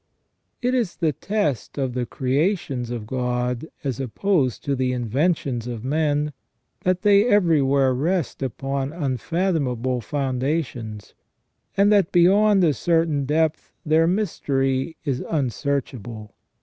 It is the test of the creations of God, as opposed to the inventions of men, that they everywhere rest upon unfathomable foundations, and that beyond a certain depth their mystery is unsearchable.